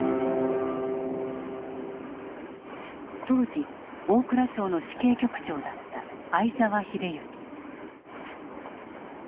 当時大蔵省の主計局長だった相沢英之。